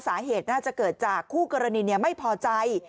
สาเหตุน่าจะเกิดจากคู่กรณีไม่พอใจ